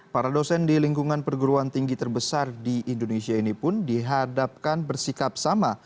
para dosen di lingkungan perguruan tinggi terbesar di indonesia ini pun dihadapkan bersikap sama